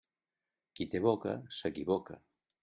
Qui té boca s'equivoca.